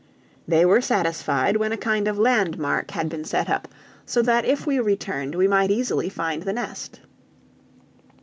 They were satisfied when a kind of landmark had been set up, so that if we returned we might easily find the nest.